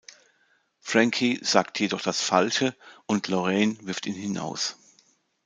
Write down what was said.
Frankie sagt jedoch das Falsche und Lorraine wirft ihn hinaus.